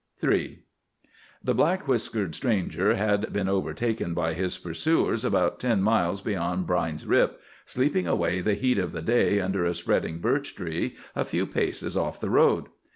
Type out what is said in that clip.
III The black whiskered stranger had been overtaken by his pursuers about ten miles beyond Brine's Rip, sleeping away the heat of the day under a spreading birch tree a few paces off the road.